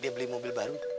dia beli mobil baru